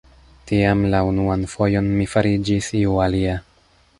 Tiam la unuan fojon mi fariĝis iu alia.